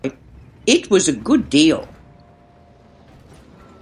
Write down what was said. It was a good deal.